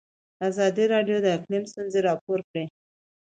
ازادي راډیو د اقلیم ستونزې راپور کړي.